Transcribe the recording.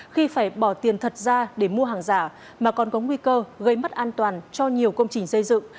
khi phải bỏ tiền thật ra để mua hàng giả mà còn có nguy cơ gây mất an toàn cho nhiều công trình xây dựng